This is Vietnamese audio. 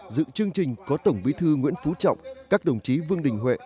dự chương trình có tổng bí thư nguyễn phú trọng các đồng chí vương đình huệ